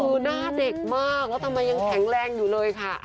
คือหน้าเด็กมากแล้วทำไมยังแข็งแรงอยู่เลยค่ะ